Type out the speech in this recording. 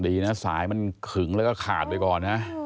ดีนะสายมันขึงแล้วก็ขาดไปก่อนนะ